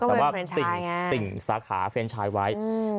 ก็เป็นเฟรนชายไงแต่ว่าติ่งสาขาเฟรนชายไว้อืม